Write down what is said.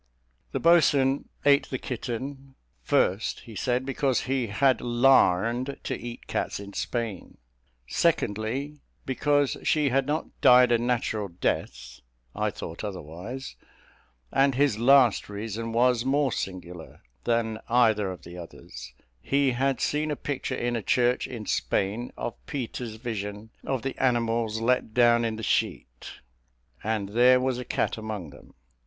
The boatswain ate the kitten, first, he said, because he had "larned" to eat cats in Spain; secondly, because she had not died a natural death (I thought otherwise); and his last reason was more singular than either of the others: he had seen a picture in a church in Spain, of Peter's vision of the animals let down in the sheet, and there was a cat among them.